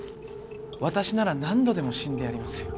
私なら何度でも死んでやりますよ。